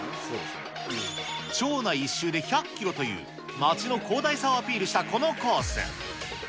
町内一周で１００キロという、町の広大さをアピールしたこのコース。